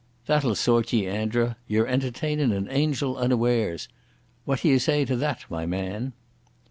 "That'll sort ye, Andra. Ye're entertain' an angel unawares. What do ye say to that, my man?"